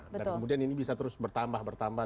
kemudian ini bisa terus bertambah bertambah